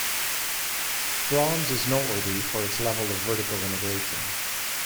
Braum's is noteworthy for its level of vertical integration.